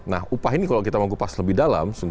nah upah ini kalau kita mau kupas lebih dalam